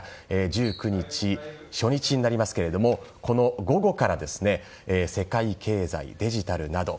１９日、初日になりますけれども午後から世界経済、デジタルなど。